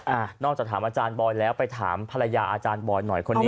นอกจากถามอาจารย์บอยแล้วไปถามภรรยาอาจารย์บอยหน่อยคนนี้